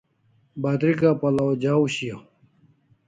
Batrika pal'aw ja'aw shiaw